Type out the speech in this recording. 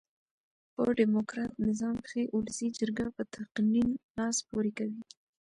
په ډیموکرات نظام کښي اولسي جرګه په تقنين لاس پوري کوي.